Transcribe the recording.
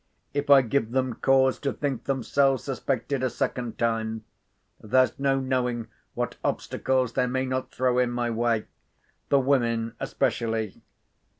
If I give them cause to think themselves suspected a second time, there's no knowing what obstacles they may not throw in my way—the women especially.